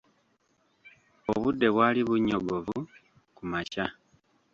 Obudde bwali bunnyogovu ku makya.